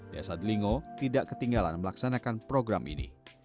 desa delingo tidak ketinggalan melaksanakan program ini